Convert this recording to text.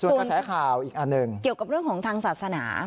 ส่วนกระแสข่าวอีกอันหนึ่งเกี่ยวกับเรื่องของทางศาสนา